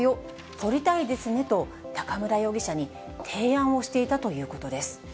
撮りたいですねと、中村容疑者に提案をしていたということです。